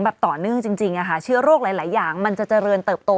แบบต่อเนื่องจริงอะค่ะเชื้อโรคหลายอย่างมันจะเจริญเติบโต